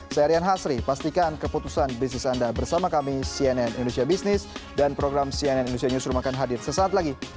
saya rian hasri pastikan keputusan bisnis anda bersama kami cnn indonesia business dan program cnn indonesia newsroom akan hadir sesaat lagi